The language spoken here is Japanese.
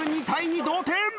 ２対２同点。